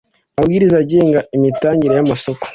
Amabwiriza agenga imitangire y amasoko